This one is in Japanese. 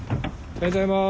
おはようございます。